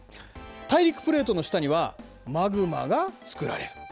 大陸プレートの下にはマグマが作られる。